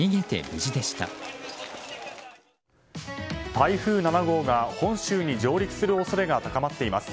台風７号が本州に上陸する恐れが高まっています。